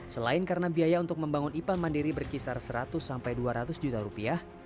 selain karena biaya untuk membangun ipa mandiri berkisar seratus sampai dua ratus juta rupiah